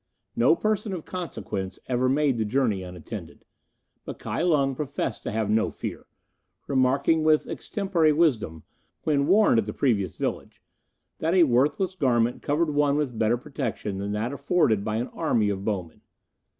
No person of consequence ever made the journey unattended; but Kai Lung professed to have no fear, remarking with extempore wisdom, when warned at the previous village, that a worthless garment covered one with better protection than that afforded by an army of bowmen.